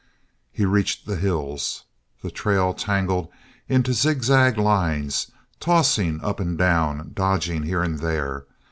He reached the hills. The trail tangled into zigzag lines, tossing up and down, dodging here and there.